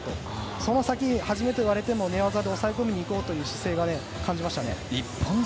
その先、もし言われても寝技で抑え込みにいこうという姿勢を感じましたね。